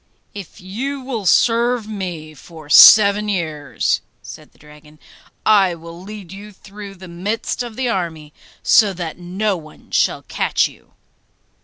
'If you will serve me for seven years,' said the dragon, I will lead you through the midst of the army so that no one shall catch you.